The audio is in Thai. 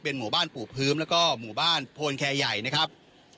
หมู่บ้านปู่พื้นแล้วก็หมู่บ้านโพนแคร์ใหญ่นะครับ